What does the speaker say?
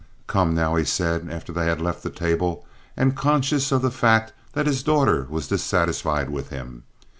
"Come now," he said, after they had left the table, and conscious of the fact that his daughter was dissatisfied with him.